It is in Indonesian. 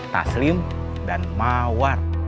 taslim dan mawar